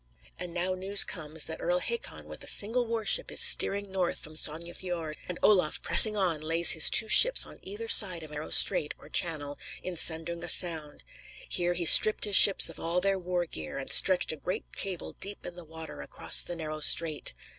And now news comes that Earl Hakon, with a single war ship, is steering north from Sogne Fiord; and Olaf, pressing on, lays his two ships on either side of a narrow strait, or channel, in Sandunga Sound. Here he stripped his ships of all their war gear, and stretched a great cable deep in the water, across the narrow strait.